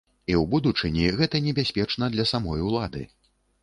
І ў будучыні гэта небяспечна для самой улады.